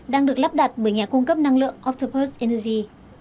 đang được lắp đặt bởi nhà cung cấp năng lượng optopus energy